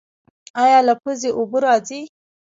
ایا له پوزې اوبه راځي؟